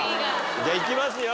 じゃあいきますよ。